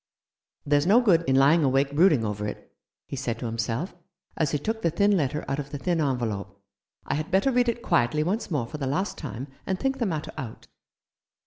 "There's no good in lying awake brooding over it," he said to himself, as he took the thin letter out of the thin envelope ;" I had better read it quietly once more for the last time, and think the matter out."